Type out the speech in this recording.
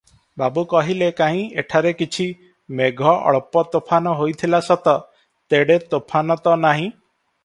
ବାବୁ କହିଲେ, "କାହିଁ, ଏଠାରେ କିଛି ମେଘ ଅଳ୍ପ ତୋଫାନ ହୋଇଥିଲା ସତ, ତେଡ଼େ ତୋଫାନ ତ ନାହିଁ?"